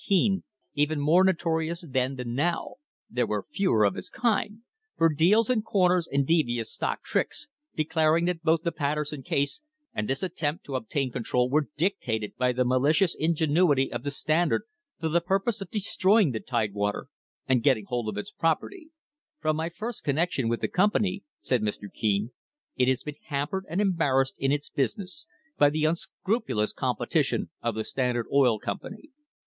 Keene, even more notorious then than now there were fewer of his kind for deals and corners and devious stock tricks, declaring that both the Patterson case and this attempt to obtain control were dictated by the "malicious ingenuity" of the Standard for the purpose of destroying the Tidewater and getting hold of its property: "From my first connection with the company," said Mr. Keene, "it has been ham pered and embarrassed in its business by the unscrupulous competition of the Standard Oil Company.